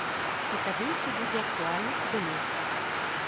І тады ўсё будзе актуальна і да месца.